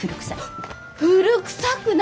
あっ古くさくない！